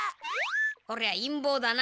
これは陰謀だな。